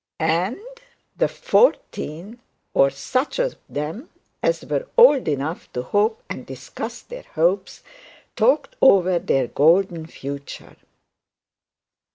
'And the 'fourteen' or such of them as were old enough to hope and discuss their hopes, talked over their golden future.